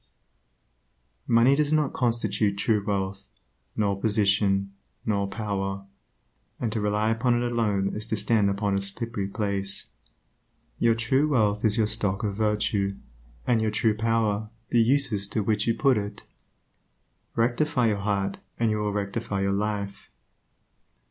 Money does not constitute true wealth, nor position, nor power, and to rely upon it alone is to stand upon a slippery place. Your true wealth is your stock of virtue, and your true power the uses to which you put it. Rectify your heart, and you will rectify your life.